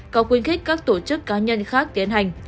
có khuyến khích các tổ chức cá nhân khác tiến hành